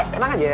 tenang aja ya